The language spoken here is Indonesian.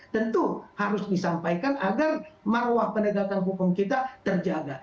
tentu harus disampaikan agar marwah penegakan hukum kita terjaga